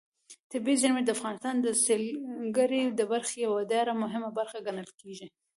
طبیعي زیرمې د افغانستان د سیلګرۍ د برخې یوه ډېره مهمه برخه ګڼل کېږي.